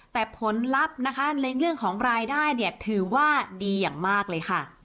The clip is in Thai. แต่ผลลัพธ์นะคะในเรื่องของรายได้เนี่ยถือว่าดีอย่างมากเลยค่ะ